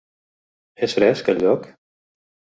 És fresc, el lloc?